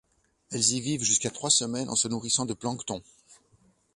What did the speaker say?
Elles y vivent jusqu'à trois semaines en se nourrissant de plancton.